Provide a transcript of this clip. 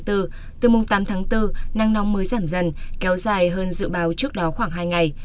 từ mùng tám tháng bốn nắng nóng mới giảm dần kéo dài hơn dự báo trước đó khoảng hai ngày